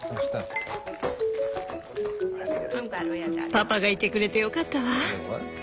パパがいてくれてよかったわ！